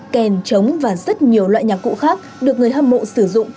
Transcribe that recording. kèn trống và rất nhiều loại nhạc cụ khác được người hâm mộ sử dụng